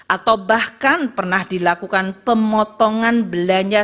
atau bahkan pernah dilakukan pemotongan belanja